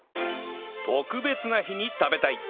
特別な日に食べたい！